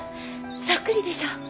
そっくりでしょ？